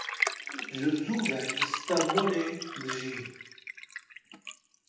Ji zû ve li Stembolê dijî.